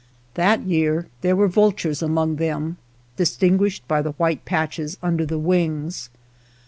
That year there were vultures among them, distinguished by the white patches under the wings.